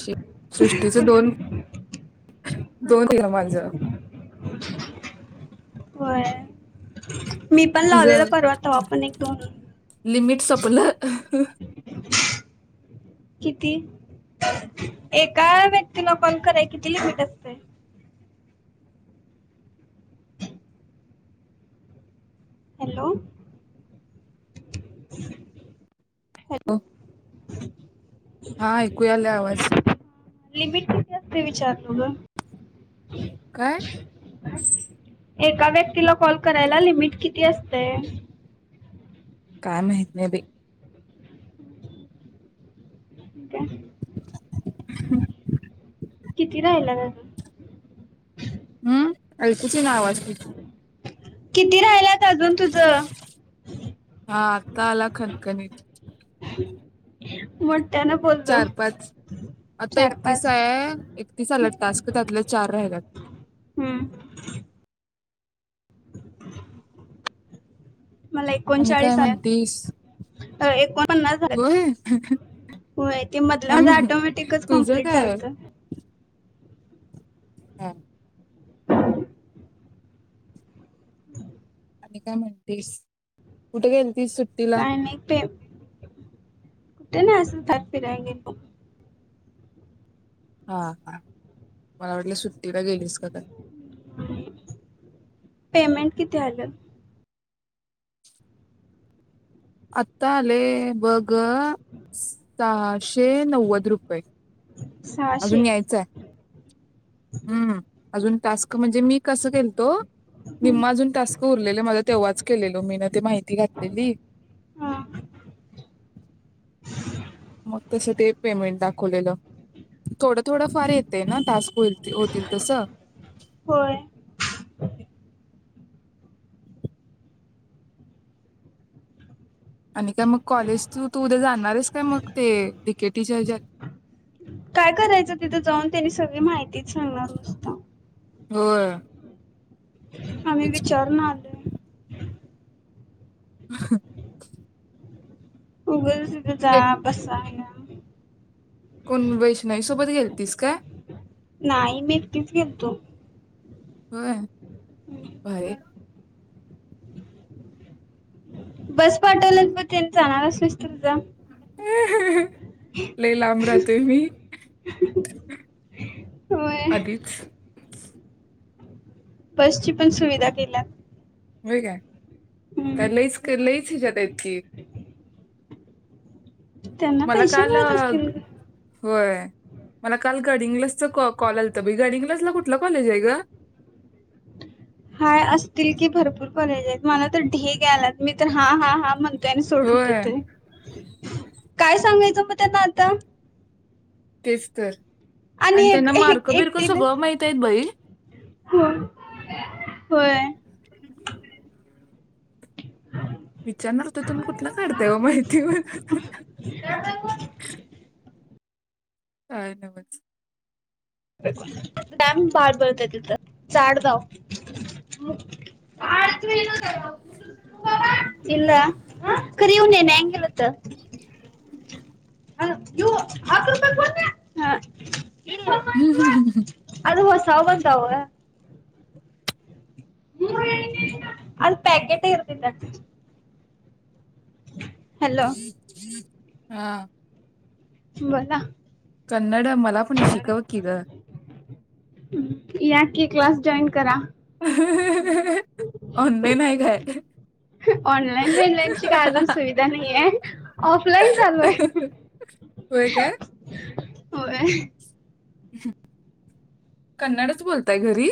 शी सृष्टीच दोन दोन इनमाले [inaudible] जा होय. मी पण लालेल तिचं परवात आपण एक दोन ह किती, एका व्यक्तीला कॉल कराय किती लिमिट असते. हॅलो हॅलो हो हा ऐकूयाला आवाज लिमिट कितीते विचारलू ग? काय एका व्यक्तीला कॉल करायला लिमिट किती अस ते काय माहित नाही बाई. हो का ह [unintelligible] किती राहिला ना? हम्म अलतीची नाव असते? किती राहिलात अजून तुझं हा. तला खनखणीत. मोठ्यानं बोललो चार पाच आता चार एकतीस पाच आहे. एकतीस आलात तास का त्यातले चार राहिल्यात. हम्म [inaudible] मला आणि काय एकोणचाळीस म्हणतीस आलत्या अ एकोणपन्नास आल्यात होय होय ते मध हा अगं ना टोमॅटिकच तुझं कमप्लीट काय झालत. हम् आणि काय म्हणतेस कुठे गेल? कारण एक ते [unintelligible] कुठे ना असल भात फिराय हा ह मला वाटलं सुट्टीला गेलीस का काय. पेमेंट किती आलं. आता आले बघ स शे नव्वद रुपये. सहाशे अजून्यायच हम्म अजून टास्क म्हणजे मी कसं केेलतो हं, विम्मा अजून टास्क उरलेले मला तेव्हाच केलेलो मी ना ते माहिती घातलेली हां. मग तसं ते पेमेंट दाखवलेलं थोडं थोडं फार येते ना टास्क होल होतील तसं होय आणि काय मग कॉलेज तू तू उद्या जाणारस काय मग ते िकेटीच्याज त्यानी सगळी माहितीच सांगणार नुसत हो आम्ही विचारून आले ह होगल जा कसा आहे कोण वैष्णाईसोबत गेलतीस काय नाही बक्कीच क तु हम कारे बस पाठवलंच म त्यां जाणार असस तुझं हम् हम ल लांब राहतोय मी होय आधीच बसची पण सुविधा केल्या हो काय त्यालंच केलंय ज [unintelligible] त्यांना मला पैसे काल मिळत अ, असतील होय मला काल गडिंग्लासचा क कॉल आल तर बई गडिंग्लासला कुठला कॉलेज आहे ग हाय असतील की भरपूर कॉलेज आहेत मला तर ढेग आला मी तर हा हा हा म्हणतेय आणि सोडून होय देतय काय सांगायच त ना आता तेसत आणि एक त्यांना एक मार्क बिरकं एकटीने सगळं माहित आहेत बईल हो होय [unintelligible] विचारणारत तुम्ही कुठला काढताय व माहिती ब काय नमद टाम पार बरत आहे तिथं जाार धाव इला करीव नेन हंगलत हकत हम् हम् ह् ह सवा जावा अ पॅकेट इरदल ह ह ह हम बला क्ड मला पुणे शिकव किक या की क्लास जॉईन करा हा ह ह ऑनलाईन वेनलाईनची का अजून सुविधा नाहीे ऑफलाईन चालू आहे होय काय हो कन्नडच बोलताय घरी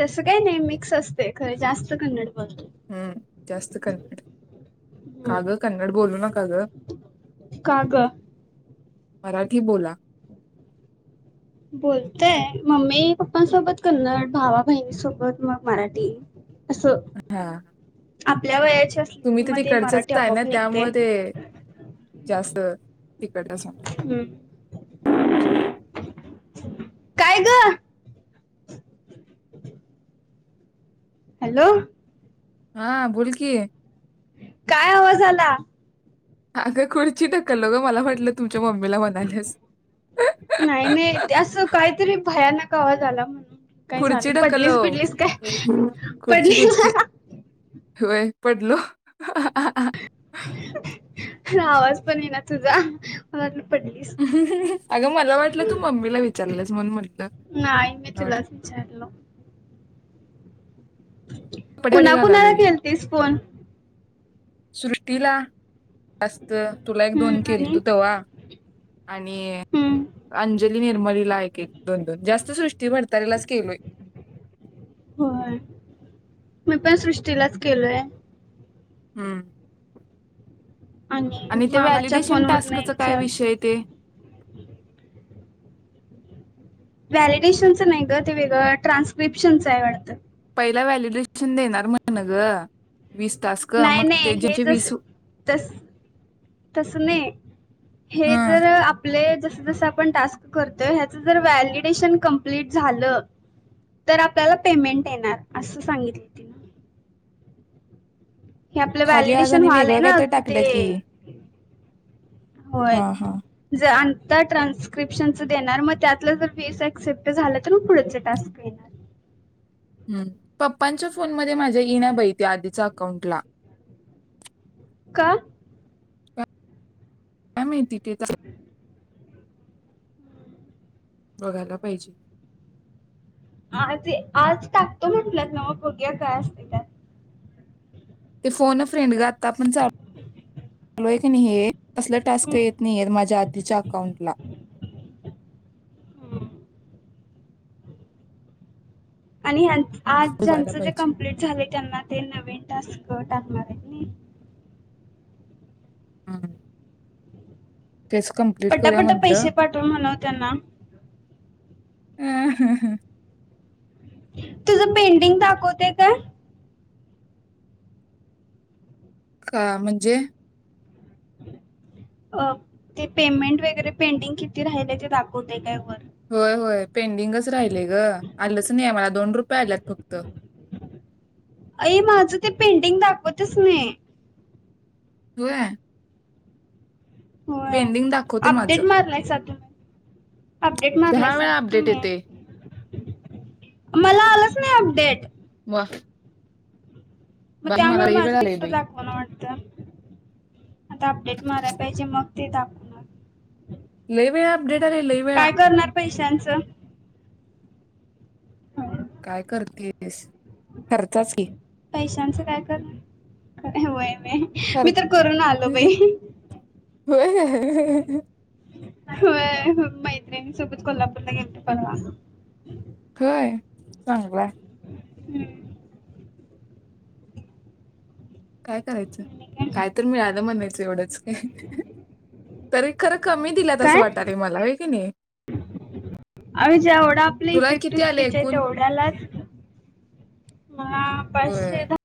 तसं काही नाही मिक्स असते खरं जास्त कन्नड बोलते हम्म जास्त कन्नड काग कन्नड बोलू नका हग कागळ मराठी बोला बोलतय मम्मी पप्पांसोबत कन्नड भावा बहिणीसोबत मग मराठी असं हा आपल्या वयास तुम्ही तर ते कडचचच आहे ना त्यामुळे ते जास्त तिकडेग हम्म. काय ग हॅलो हा बोल कि काय आवाज आला अग खढच लो ग मला वाटलं तुमच्या मम्मीला म्हणालेस गवा झाला म्हण काय सांग पडलीस पिडलीस काय खुर्ची, पडलीस खुर्ची. होय पडलो ह ह आवाज पण ये ना तुझा पडलीस अगं मला वाटलं तू मम्मीला विचारलंस म्हण म्हटलं नाही मी मला वाट तुलाच विचारलं कपडे कुणा कुणाला घालालोय. खेळतेस फोन सृष्टीला अस तुला एक हम्म, दोन केल आणि तू तव्हा आणि हम्म, अंजली- निर्मलीला एक दोन दोन जास्त सृष्टी भरतऱारीलाच केलोय होय मी पण सृष्टीलाच केलोय हम्म आणि ते मामाच्या व्हॅलिडेशन फोनवर नाही टास्कचा काय विचार विषय ते व्हॅलिडेशनच नाही ग ते वेगळं, ट्रान्स्क्रिप्शनचं आहे वाटतं वॅल्यशन दे [inaudible] ग वीस तास नाही मग नाही हे ते जसे वीस [unintelligible] तस नाही, हे हा जर आपले ज [unintelligible] जस जसं आपण टास्क करतोय ह्याच जर ह्वॅलिडेशन कंप्लीट झालं, तर आपल्या पेमेंट येणार असं सांगितली तीनं हे आपलं खाली आज व्हॅलिडेशन आणि व्हाल आहे वेगळं ना काहीतरी -अजून टाकलं ते की होय हा हा ज तर ट्रान्स्क्रिप्शन देणार मग त्यात जर फीस अँसेप्ट झालं तर मग पुढे टास्क येणार, ह् पप्पांच्या फोन मध्ये माझ्या ईना बाई ते आधीचा अकाउंटला- का? काय माहिती? ते तर, [unintelligible] बघायला पाहिजे, आज, आज टाकतो म्हटलत ना म भग्या काय असतील त्यात [unintelligible] ते फोन अ फ्रेंड ग आता आपण चालू, - चालोय का नाही हे, असलं हम्म. टास्क येत नाहीयेत माझ्या आधीच्या अकाउंटला, हम [unintelligible] आणि ह- [unintelligible] आज बघायला ज्यांचं जे पाहिजे कम्प्लीट झालय त्यांना ते नवीन टास्क घ टाकणारार आहे, नाही, [unintelligible] ह्म्म... पटा-पटा पैसे पाठवा म्हणाव त्यांना, ह्म्म ह्म्म... [unintelligible] तुझं पेंडिंग दाखवतेय का? का? म्हणजे? अ ते पेमेंट वगैरे पेंडिंग किती राहिल ते दाखवत काय वर? होय- होय पेंडिंगच राहिलंय गं, आलंच नाही, मला दोन रुपये आल्यात फक्त. आई माझं ते पेंडिंग दाखवतच नाहीये, तूय- [unintelligible] होय, दाखवते माझं अपडेट मारलाय का तू? [inaudible] अपडेट दहा मारलायसा वेळा नव्ह अपडेट तुम्ही? येते मला आलंच नाही अपडेट? वा [unintelligible] मग बाई मला त्यामुळे लई माझं वेळा ते आलंय कुठं बाई दाखवण वाटतं? आता अपडेट मारयला पाहिजे मग- ते ताप - लई वेळा अपडेट आले लई वेळा, स- हा- काय करतेस? खर्चाच की पैशांचं काय कर- हवंय, खर मी, तर करून आलो बाई. होय- होय मैत्रिणी सोबत कोल्हापूरला गेलते परवा होय चांगलाय हम्म. काय करायचं? आणि काय तर मिळालं म्हणायचं. तेवढंच काय तरी खरं कमी काय? दिल्यात असं वाटालय मला होय तने [unintelligible] आणि ज्या एवढा आपली इफेक्टिव किती आले स्पीच आहे एकूण तेवढ्यालाच मला होय पाचशे दहा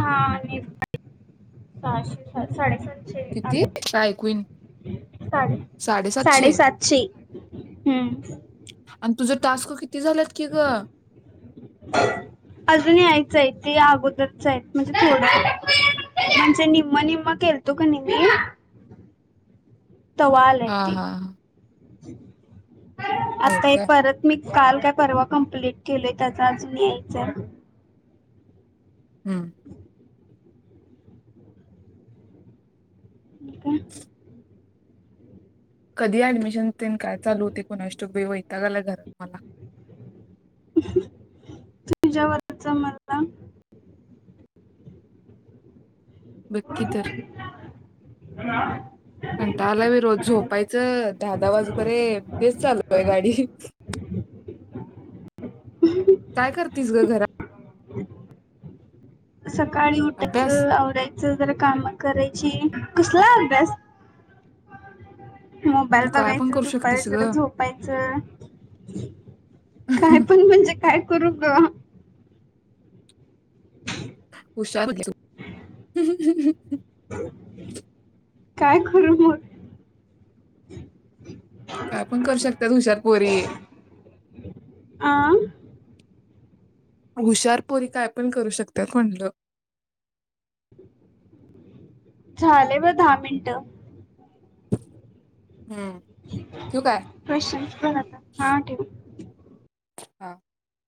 सहा आणि सहाशे स साडेसातशे किती आले का ऐकू येईना साडे साडेसातशे हम्म. आणि तुझं टास्क किती झालात कि ग? अजून यायचंय ते अगोदरच आहेत म्हणजे थोडं म्हणजे निम्म निम्म केलतो का नि मी तवा आल्यात हा ती. हा हा [unintelligible] होय आता हे काय परत मी काल काय परवा कम्प्लीट केलंय त्याचा अजून यायचंय. हम्म. इका [unintelligible] कधी ऍडमिशन ते काय चालूते कोण कोणास ठाऊक वैताग आला घरात मला. तुझ्यावरचा मला बघ की तर कंटाळा आला बाई रोज झोपायचं दहा दहा वाजू पर्यंत तेच चालू आहे गाडी काय करतीस ग घरात? [unintelligible] सकाळी अभ्यास उठायचं आवरायचं जरा काम करायची कसला अभ्यास? मोबाईल तू काय पण बघायचं करू शकतीस दुपारचं तर ग झोपायचं काय पण म्हणजे काय? करू ग हुशार [inaudible] काय पण करू शकतात. आ हुशार पोरी काय पण करू शकतात म्हणलं. [inaudible] हम्म ठेवू काय क्वेश्चन भर आता हा ठेव. [inaudible]